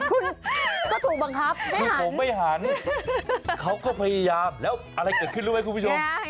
คุณก็ถูกบังคับคือผมไม่หันเขาก็พยายามแล้วอะไรเกิดขึ้นรู้ไหมคุณผู้ชม